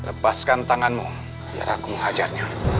lepaskan tanganmu biar aku hajarnya